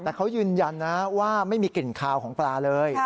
แต่เขายืนยันนะว่าไม่มีกลิ่นคาวของปลาเลย